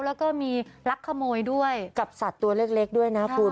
แล้วก็มีลักขโมยด้วยกับสัตว์ตัวเล็กด้วยนะคุณ